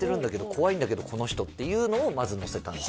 「怖いんだけどこの人」っていうのをまず載せたんです